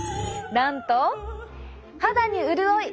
なんと肌に潤い。